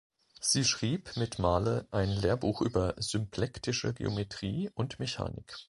Sie schrieb mit Marle ein Lehrbuch über symplektische Geometrie und Mechanik.